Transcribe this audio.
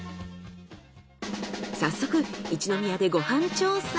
早速一宮でご飯調査！